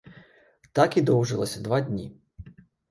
Так і доўжылася два дні.